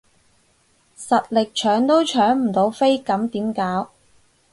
實力緊都搶唔到飛咁點搞？